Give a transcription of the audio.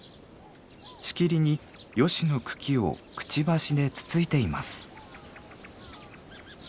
しきりにヨシの茎をくちばしでつついています。